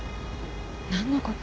何のこと？